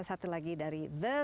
satu lagi dari nara sumer